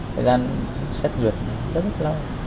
thời gian xét duyệt rất là lâu